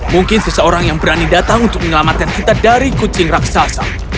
mungkin seseorang yang berani datang untuk menyelamatkan kita dari kucing raksasa